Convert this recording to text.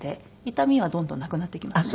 痛みはどんどんなくなっていきますね。